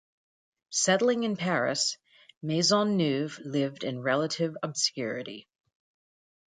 Settling in Paris, Maisonneuve lived in relative obscurity.